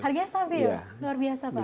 harganya stabil luar biasa pak